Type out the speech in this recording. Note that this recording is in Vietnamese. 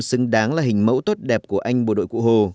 xứng đáng là hình mẫu tốt đẹp của anh bộ đội cụ hồ